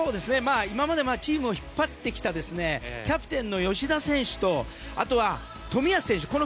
今までチームを引っ張ってきたキャプテンの吉田選手とあとは冨安選手。